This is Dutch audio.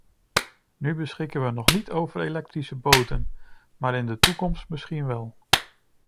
Nu beschikken we nog niet over elektrische boten, maar in de toekomst misschien wel.